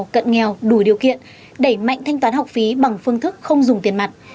cận nghèo đủ điều kiện đẩy mạnh thanh toán học phí bằng phương thức không dùng tiền mặt